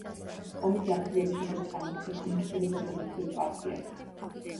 ომის დასრულების შემდეგ წარმოადგენს უმსხვილეს ოპოზიციურ პარტიას.